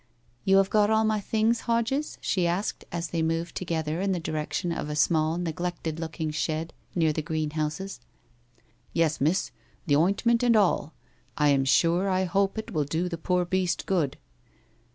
' You have got all my things, Hodges ?' she asked, as they moved together in the direction of a small neglected looking shed near the greenhouses. ' Yes, miss. The ointment and all. I am sure I hope it will do the poor beast good.'